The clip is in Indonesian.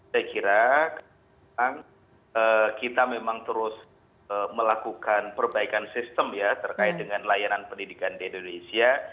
saya kira kita memang terus melakukan perbaikan sistem ya terkait dengan layanan pendidikan di indonesia